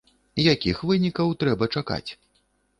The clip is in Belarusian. Якіх вынікаў трэба чакаць?